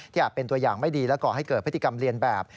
อาจเป็นตัวอย่างไม่ดีและก่อให้เกิดพฤติกรรมเรียนแบบ